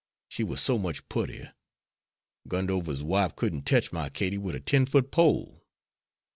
She war so much puttier. Gundover's wife couldn't tech my Katie wid a ten foot pole."